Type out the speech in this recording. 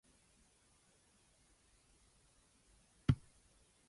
A similar style of loincloth was also characteristic of ancient Meso-America.